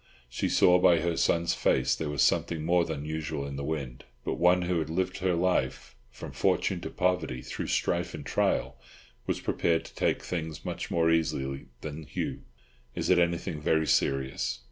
She saw by her son's face that there was something more than usual in the wind, but one who had lived her life, from fortune to poverty, through strife and trial, was prepared to take things much more easily than Hugh. "Is it anything very serious?"